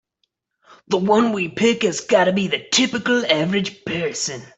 The one we pick has gotta be the typical average person.